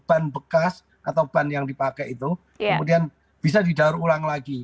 ban bekas atau ban yang dipakai itu kemudian bisa didaur ulang lagi